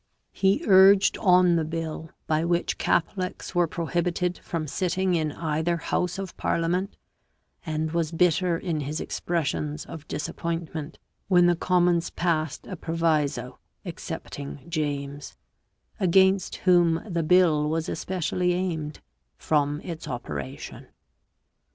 He urged on the bill by which Catholics were prohibited from sitting in either House of Parlia ment, and was bitter in his expressions of disappointment when the Commons passed a proviso excepting James, against whom the bill was especially aimed, from its operation.